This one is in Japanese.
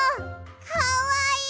かわいい！